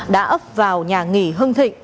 đã ấp vào nhà nghỉ hưng thịnh